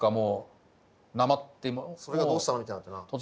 それがどうしたのみたいになってな。